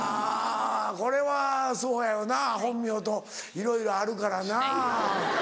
これはそうやよな本名といろいろあるからな。